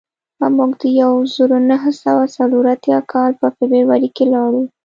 موږ د یو زرو نهه سوه څلور اتیا کال په فبروري کې لاړو